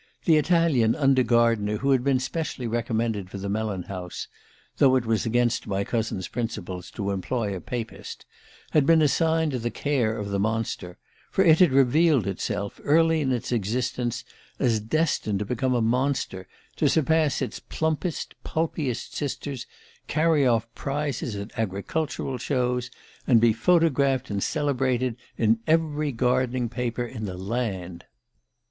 The Italian under gardener, who had been specially recommended for the melon houses though it was against my cousin's principles to employ a Papist had been assigned to the care of the monster: for it had revealed itself, early in its existence, as destined to become a monster, to surpass its plumpest, pulpiest sisters, carry off prizes at agricultural shows, and be photographed and celebrated in every gardening paper in the land.